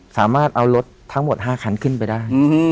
สามารถเอารถทั้งหมด๕คันขึ้นไปได้